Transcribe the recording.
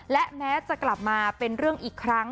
และแม้จะกลับมาเป็นเรื่องอีกครั้ง